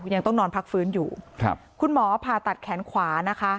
ยังต้องนอนพักฟื้นอยู่ครับคุณหมอผ่าตัดแขนขวานะคะ